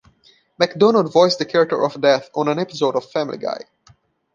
Macdonald voiced the character of Death on an episode of "Family Guy".